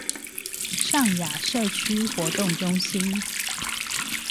上雅社區活動中心